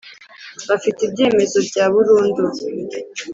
bafite ibyemezo bya burundu